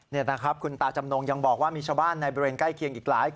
นี่นะครับคุณตาจำนงยังบอกว่ามีชาวบ้านในบริเวณใกล้เคียงอีกหลายคน